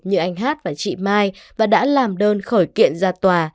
như anh hát và chị mai và đã làm đơn khởi kiện ra tòa